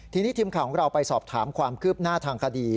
ทีนี้ทีมข่าวของเราไปสอบถามความคืบหน้าทางคดี